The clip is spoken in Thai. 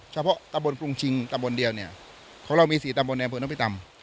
เฉพาะตำบลกรุงชิงตำบลเดียวเนี่ยของเรามี๔ตำบลในอำเภอน้ำพิตำ